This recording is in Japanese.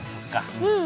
うん。